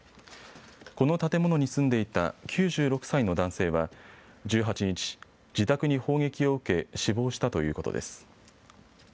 この建物に住んでいた９６歳の男性は１８日、自宅に砲撃を受け死亡したということです。